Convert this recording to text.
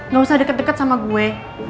gak usah deket deket sama gue